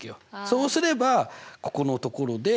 そうすればここのところで。